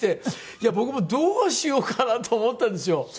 いや僕もどうしようかなと思ったんですよ。